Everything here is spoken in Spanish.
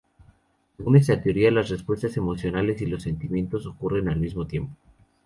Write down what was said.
Según esta teoría, las respuestas emocionales y los sentimientos ocurren al mismo tiempo.